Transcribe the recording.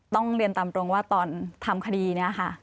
ต้องเรียนตามตรงว่าตอนทำคดีนี้ค่ะ